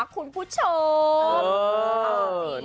คุณผู้ชม